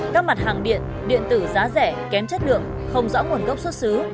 các mặt hàng điện điện tử giá rẻ kém chất lượng không rõ nguồn gốc xuất xứ